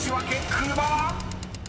［車は⁉］